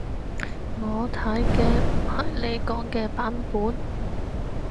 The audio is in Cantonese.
我睇嘅唔係你講嘅版本